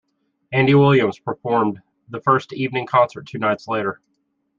Andy Williams performed the first evening concert two nights later.